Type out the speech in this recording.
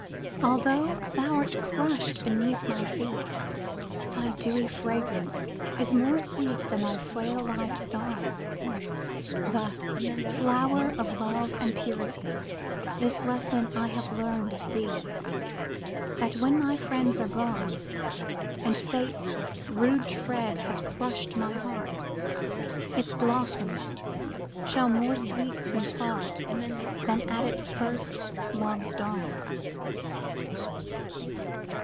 Although thou'rt crushed beneath my feet, Thy dewy fragrance is more sweet Than at thy frail life's dawn. Thus, flow'r of love and purity, This lesson I have learned of thee: That when my friends are gone, And fate's rude tread has crushed my heart, Its blossoms shall more sweets impart Than at its first love's dawn.